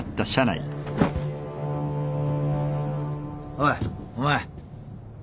おいお前。